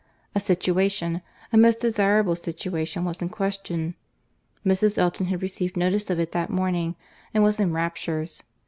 —A situation, a most desirable situation, was in question. Mrs. Elton had received notice of it that morning, and was in raptures.